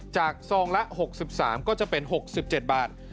ซองละ๖๓ก็จะเป็น๖๗บาท